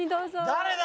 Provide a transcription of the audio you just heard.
誰だ？